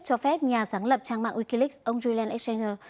cho phép nhà sáng lập trang mạng wikileaks ông julian exchanger